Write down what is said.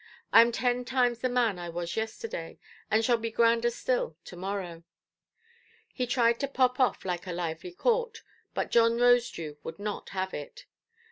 I am ten times the man I was yesterday, and shall be grander still to–morrow". He tried to pop off like a lively cork, but John Rosedew would not have it.